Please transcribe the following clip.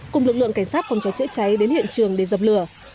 cùng lực lượng cảnh sát không cho chữa cháy đến hiện trường để dập lửa